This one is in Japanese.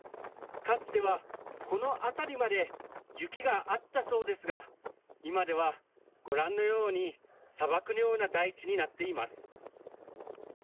かつてはこの辺りまで雪があったそうですが、今ではご覧のように、砂漠のような大地になっています。